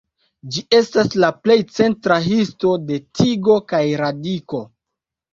Ĝi estas la plej centra histo de tigo kaj radiko.